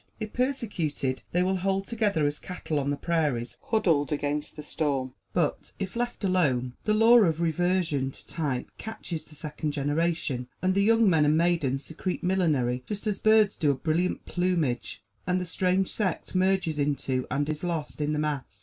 If persecuted, they will hold together, as cattle on the prairies huddle against the storm. But if left alone the Law of Reversion to Type catches the second generation, and the young men and maidens secrete millinery, just as birds do a brilliant plumage, and the strange sect merges into and is lost in the mass.